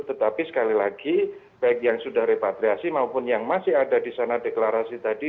tetapi sekali lagi baik yang sudah repatriasi maupun yang masih ada di sana deklarasi tadi